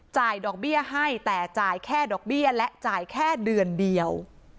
ดอกเบี้ยให้แต่จ่ายแค่ดอกเบี้ยและจ่ายแค่เดือนเดียว